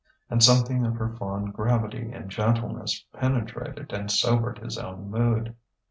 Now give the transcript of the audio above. And something of her fond gravity and gentleness penetrated and sobered his own mood.